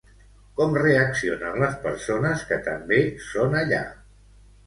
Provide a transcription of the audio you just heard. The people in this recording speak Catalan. Com reaccionen les persones que també són allà?